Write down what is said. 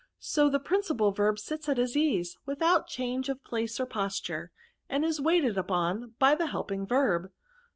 So the principal verb sits at his ^ase, without change of pkce' or posture, and is waited upon by the helpings verb.